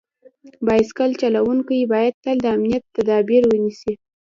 بایسکل چلونکي باید تل د امنیت تدابیر ونیسي.